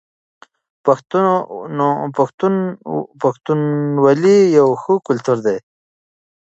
پښتونولي يو ښه کلتور دی.